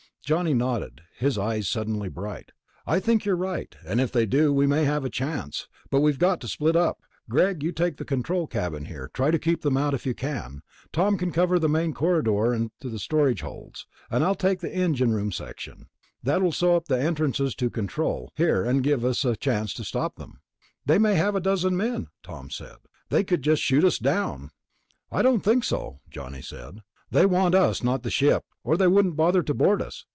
Johnny nodded, his eyes suddenly bright. "I think you're right. And if they do, we may have a chance. But we've got to split up.... Greg, you take the control cabin here, try to keep them out if you can. Tom can cover the main corridor to the storage holds, and I'll take the engine room section. That will sew up the entrances to control, here, and give us a chance to stop them." "They may have a dozen men," Tom said. "They could just shoot us down." "I don't think so," Johnny said. "They want us, not the ship, or they wouldn't bother to board us.